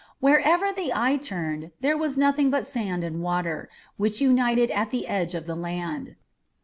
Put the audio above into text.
Wherever the eye turned, there was nothing but sand and water, which united at the edge of the land.